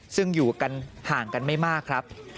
ซึ่งอยู่กันห่างกันไม่มากครับ